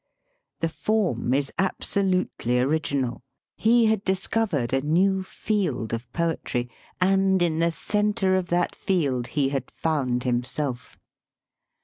The form is absolutely original: he had discovered a new field of 138 LYRIC POETRY poetry, and in the centre of that field he had found himself."